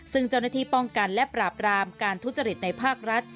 ซึ่งเจ้าหน้าที่ป้องกันและปราบรามการทุจริตในภาครัฐ